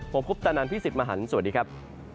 ผมคุปตะนันพี่สิทธิ์มหันฯสวัสดีครับ